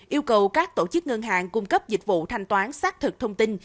yêu cầu các tổ chức ngân hàng cung cấp dịch vụ thanh toán xác thực thông tin